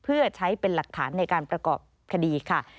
เพื่อใช้เป็นหลักฐานในการประกอบคดีค่ะ